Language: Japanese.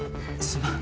すまん。